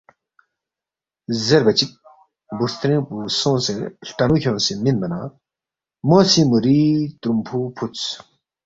زیربا چِک بُوسترِنگ پو سونگسے ہلٹنُو کھیونگسے مِنما نہ، مو سی مُوری ترُومفُو فُودس،